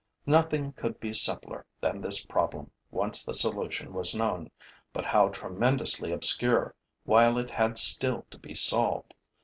Nothing could be simpler than this problem, once the solution was known; but how tremendously obscure while it had still to be solved!